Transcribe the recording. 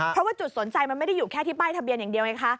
เพราะว่าจุดสนใจมันไม่ได้อยู่แค่ที่ป้ายทะเบียนอย่างเดียวไงคะ